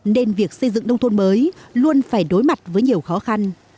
nên việc xây dựng nông thôn mới luôn phải đối mặt với nhiều khó khăn